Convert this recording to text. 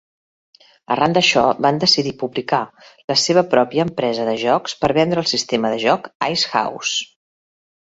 Arran d'això, van decidir publicar la seva pròpia empresa de jocs per vendre el sistema de joc IceHouse.